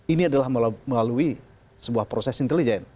ini adalah melalui sebuah proses intelijen